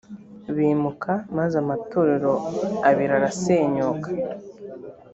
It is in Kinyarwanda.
bimuka maze amatorero abiri arasenyuka